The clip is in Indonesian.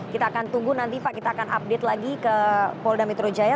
kita akan tunggu nanti pak kita akan update lagi ke polda metro jaya